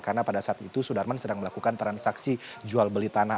karena pada saat itu sudarman sedang melakukan transaksi jual beli tanah